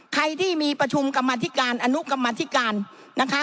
ใครที่มีประชุมกรรมธิการอนุกรรมธิการนะคะ